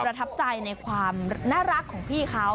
ทับใจในความน่ารักของพี่เขา